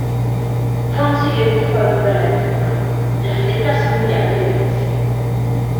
Fonsi le dijo a Viva Latino: "Las letras son muy alegres.